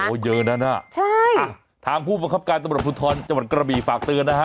โอ้โหเยอะนั้นน่ะใช่อ่ะทางผู้บังคับการตำรวจภูทรจังหวัดกระบีฝากเตือนนะฮะ